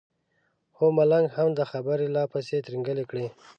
هو ملنګ هم دا خبره لا پسې ترینګلې کړه.